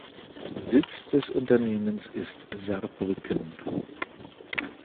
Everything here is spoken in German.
Sitz des Unternehmens ist Saarbrücken.